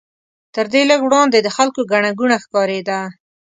تر دې لږ وړاندې د خلکو ګڼه ګوڼه ښکارېده.